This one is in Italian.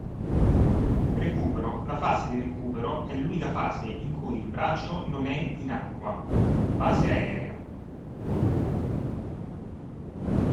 Recupero: La fase di recupero è l'unica fase in cui il braccio non è in acqua (fase aerea).